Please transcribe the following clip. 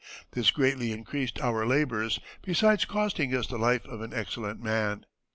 This greatly increased our labors, besides costing us the life of an excellent man.